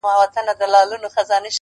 • اوسيدل پکښي بچي میندي پلرونه -